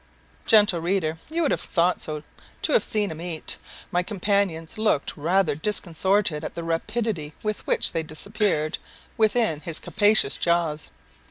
Gentle reader! you would have thought so to have seen him eat. My companions looked rather disconcerted at the rapidity with which they disappeared within his capacious jaws.